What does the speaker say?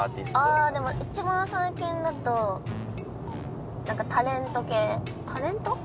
ああでも一番最近だとなんかタレント系タレント？